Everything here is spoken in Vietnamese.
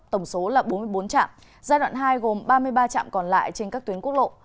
tổng số là bốn mươi bốn trạm giai đoạn hai gồm ba mươi ba trạm còn lại trên các tuyến quốc lộ